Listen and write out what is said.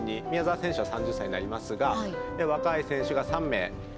宮沢選手は３０歳になりますが若い選手が３名。